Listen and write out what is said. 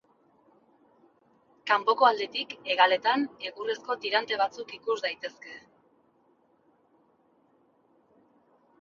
Kanpoko aldetik hegaletan egurrezko tirante batzuk ikus daitezke.